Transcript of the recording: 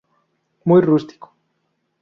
Muy rústico.